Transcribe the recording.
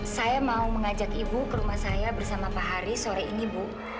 saya mau mengajak ibu ke rumah saya bersama pak hari sore ini bu